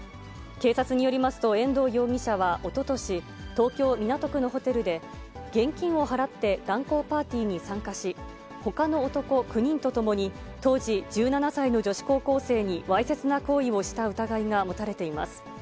警察によりますと延堂容疑者はおととし、東京・港区のホテルで、現金を払って乱交パーティーに参加し、ほかの男９人と共に、当時１７歳の女子高校生にわいせつな行為をした疑いが持たれています。